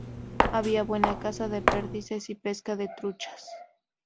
Había buena caza de perdices y pesca de truchas.